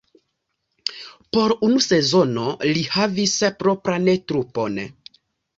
Por unu sezono li havis propran trupon.